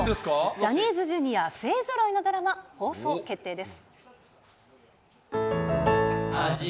ジャニーズＪｒ．勢ぞろいのドラマ、放送決定です。